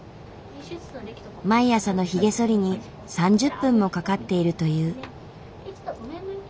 毎朝のヒゲそりに３０分もかかっているという。